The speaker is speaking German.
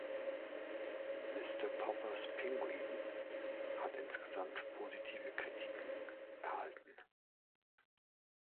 „Mr. Poppers Pinguine“ hat insgesamt positive Kritiken erhalten.